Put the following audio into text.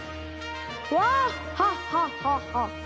ワッハハハハ！